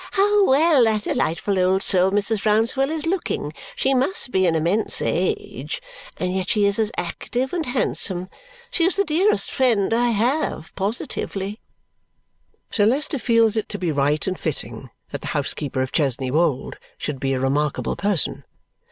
And how well that delightful old soul Mrs. Rouncewell is looking. She must be an immense age, and yet she is as active and handsome! She is the dearest friend I have, positively!" Sir Leicester feels it to be right and fitting that the housekeeper of Chesney Wold should be a remarkable person.